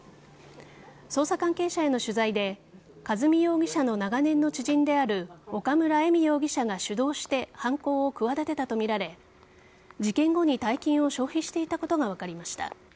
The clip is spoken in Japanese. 捜査関係者への取材で和美容疑者の長年の知人である岡村恵美容疑者が主導して犯行をくわだてたとみられ事件後に大金を消費していたことが分かりました。